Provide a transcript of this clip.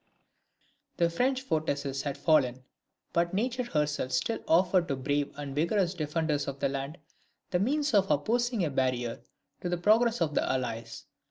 The French fortresses had fallen; but nature herself still offered to brave and vigorous defenders of the land, the means of opposing a barrier to the progress of the Allies.